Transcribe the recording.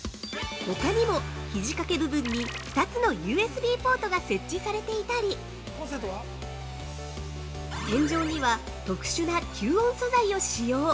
◆ほかにも、ひじ掛け部分に２つのＵＳＢポートが設置されていたり天井には特殊な吸音材を使用。